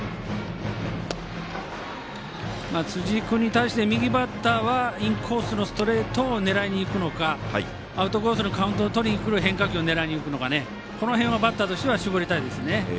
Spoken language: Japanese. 辻井君に対して右バッターはインコースのストレートを狙いにいくのかアウトコースのカウントをとりにくる変化球を狙いにいくのかこの辺はバッターとしては絞りたいですね。